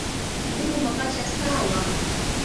Ni ndugu mapacha sawa.